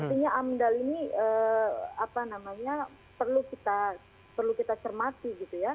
artinya amdal ini perlu kita cermati